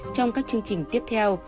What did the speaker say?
trong các chương trình tiếp theo